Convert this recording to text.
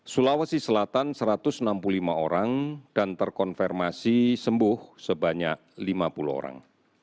sulawesi selatan satu ratus enam puluh lima orang dan terkonfirmasi sembuh sebanyak lima puluh orang